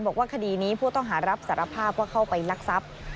บอกว่าคดีนี้ผู้ต้องหารับสารภาพเข้าไปรักษัพธ์